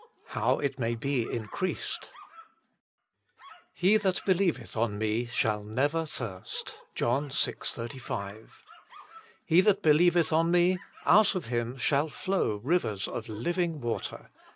ofo it mag fie incrrasrti "He that believeth on Me shall never thirst." JOHN vi. 35. "He that believeth on Me, out of him shall flow rivers of living water."